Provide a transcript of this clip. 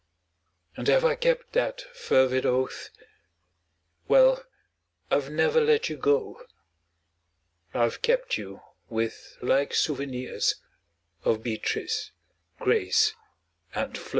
And have I kept that fervid oath? Well I've never let you go: I've kept you with like souvenirs Of Beatrice, Grace and Flo.